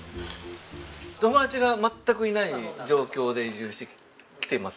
友達が全くいない状況で移住してきてますので。